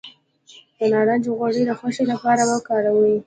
د نارنج غوړي د خوښۍ لپاره وکاروئ